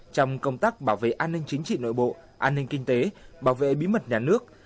trong công tác bảo vệ an ninh chính trị nội bộ an ninh kinh tế bảo vệ bí mật nhà nước